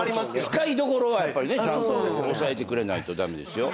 使いどころはやっぱりちゃんと押さえてくれないとダメですよ。